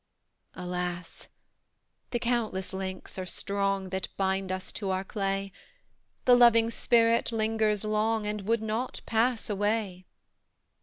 "Alas! the countless links are strong That bind us to our clay; The loving spirit lingers long, And would not pass away!